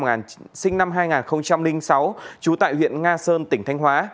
nguyễn thị minh thư sinh năm hai nghìn sáu chú tại huyện nga sơn tỉnh thanh hóa